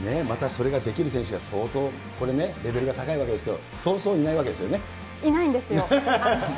またそれができる選手が相当これね、レベルが高いわけですけれども、そうそういないわけですいないんですよ。